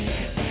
eh mbak be